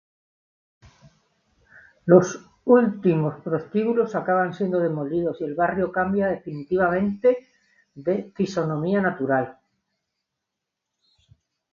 Los últimos prostíbulos acaban siendo demolidos y el Barrio cambia definitivamente de fisonomía natural.